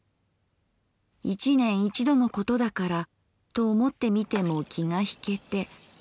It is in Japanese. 一年一度のことだからと思ってみても気がひけて。